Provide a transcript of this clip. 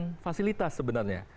kita menyediakan fasilitas sebenarnya